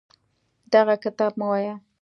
دغه کتاب مه وایه.